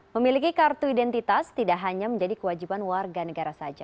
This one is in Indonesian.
memiliki kartu identitas tidak hanya menjadi kewajiban warga negara saja